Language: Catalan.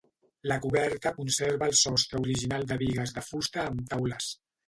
La coberta conserva el sostre original de bigues de fusta amb taules.